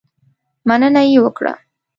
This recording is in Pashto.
مننه یې وکړه.